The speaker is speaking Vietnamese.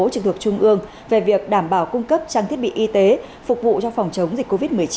trực thuộc trung ương về việc đảm bảo cung cấp trang thiết bị y tế phục vụ cho phòng chống dịch covid một mươi chín